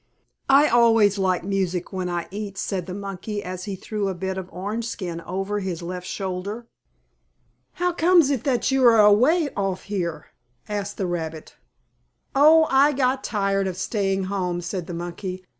"I always like music when I eat," said the monkey as he threw a bit of orange skin over his left shoulder. "How comes it that you are away off here," asked the rabbit. "Oh! I got tired of staying home," said the monkey.